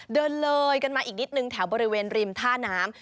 เดินเลยกันมาอีกนิดนึงแถวบริเวณริมท่าน้ำ